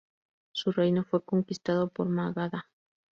Su reino fue conquistado por Magadha.